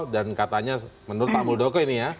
dan katanya menurut pak muldoko ini ya